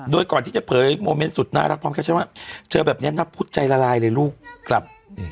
โดยก่อนที่จะเผยโมเมนต์สุดน่ารักพร้อมแคปชั่นว่าเจอแบบนี้นับพุทธใจละลายเลยลูกกลับ